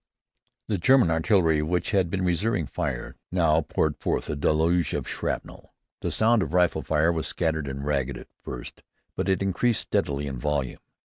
The German artillery, which had been reserving fire, now poured forth a deluge of shrapnel. The sound of rifle fire was scattered and ragged at first, but it increased steadily in volume.